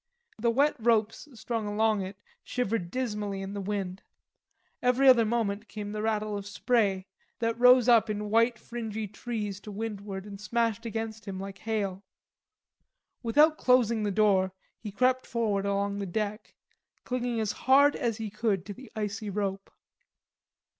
The wet ropes strung along it shivered dismally in the wind. Every other moment came the rattle of spray, that rose up in white fringy trees to windward and smashed against him like hail. Without closing the door he crept forward along the deck, clinging as hard as he could to the icy rope.